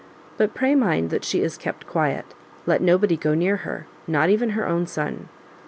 But pray mind that she is kept quiet; let nobody go near her, not even her own son.